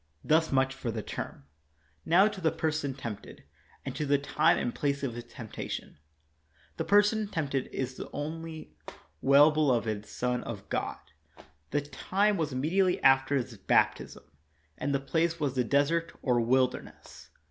Thus much for the term. Now to the person tempted, and to the time and place of his temptation. The person tempt ed is the only well beloved Son of God ; the time was immediately after his baptism ; and the place was the desert or wilderness.